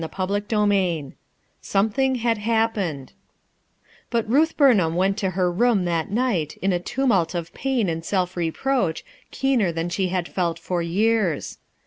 *> 1 l CHAPTER XXVIII "something had happened" T> UT Ruth Burnham went to her room that «" night in a tumult of pain and self reproach keener than she had felt for years.